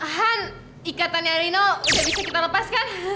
han ikatannya linol udah bisa kita lepas kan